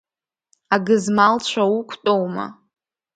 Агызмалцәа уқәтәоума?